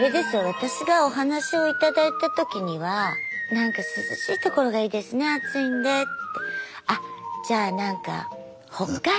私がお話を頂いた時にはなんか涼しいところがいいですね暑いんでって。